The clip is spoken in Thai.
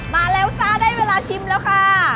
มาแล้วจ้าได้เวลาชิมแล้วค่ะ